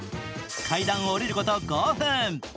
階段を降りること５分。